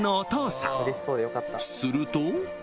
［すると］